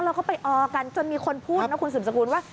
แล้วเข้าไปออก่อนจนมีคนพูดนะคุณศูนย์สมดุลว่า